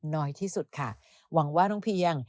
น้อยที่สุดค่ะหวังว่าน้องเพียง